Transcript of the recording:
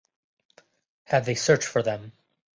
Have they searched for them?